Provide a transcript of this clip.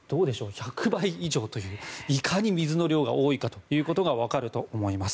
１００倍以上といういかに水の量が多いか分かると思います。